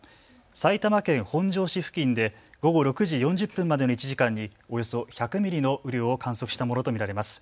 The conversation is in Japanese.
埼玉県本庄市付近で午後６時４０分までの１時間におよそ１００ミリの雨量を観測したものと見られます。